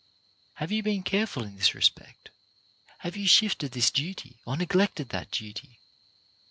Have you been careful in this respect? Have you shifted this duty, or neglected that duty